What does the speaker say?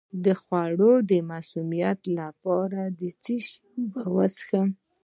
د خوړو د مسمومیت لپاره د څه شي اوبه وڅښم؟